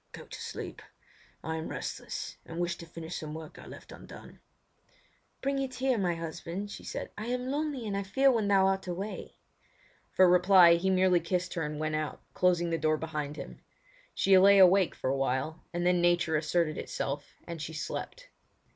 "Go to sleep. I am restless, and wish to finish some work I left undone." "Bring it here, my husband," she said; "I am lonely and I fear when thou art away." For reply he merely kissed her and went out, closing the door behind him. She lay awake for awhile, and then nature asserted itself, and she slept.